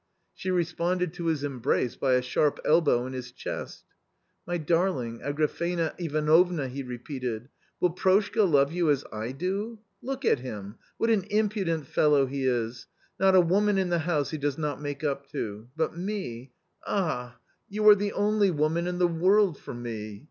She responded to his embrace by a sharp elbow in his chest. " My darling, Agrafena Ivanovna !" he repeated, " will Proshka love you as I do ? Look at him ; what an im pudent fellow he is; not a woman in the house he does not make up to. But me — ah ! you are the only woman in the world for me.